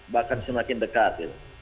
bahkan semakin dekat